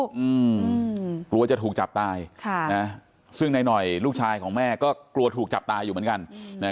อืมกลัวจะถูกจับตายค่ะนะซึ่งนายหน่อยลูกชายของแม่ก็กลัวถูกจับตายอยู่เหมือนกันนะ